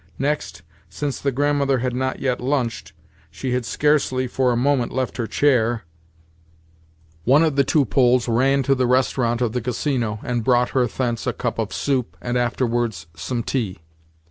Next, since the Grandmother had not yet lunched—she had scarcely for a moment left her chair—one of the two Poles ran to the restaurant of the Casino, and brought her thence a cup of soup, and afterwards some tea.